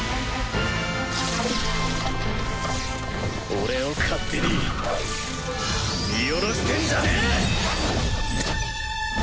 俺を勝手に見下ろしてんじゃねえ！